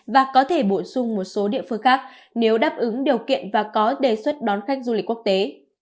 và có thể bổ sung một số địa phương khác nếu đáp ứng điều kiện và có đề xuất đón khách du lịch quốc tế